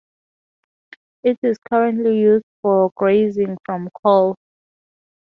It is currently used for grazing from Coll.